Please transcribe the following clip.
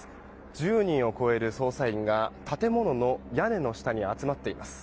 １０人を超える捜査員が建物の屋根の下に集まっています。